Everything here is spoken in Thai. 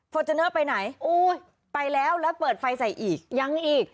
จูเนอร์ไปไหนโอ้ยไปแล้วแล้วเปิดไฟใส่อีกยังอีก